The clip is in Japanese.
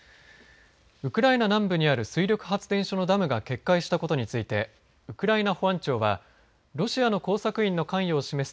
ウクライナ南部にある水力発電所のダムが決壊したことについてウクライナ保安庁はロシアの工作員の関与を示す